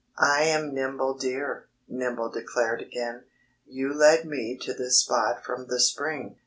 "I am Nimble Deer," Nimble declared again. "You led me to this spot from the spring.